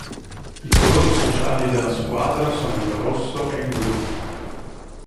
I colori sociali della squadra sono il rosso e il blu.